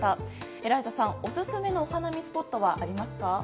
エライザさん、オススメのお花見スポットはありますか？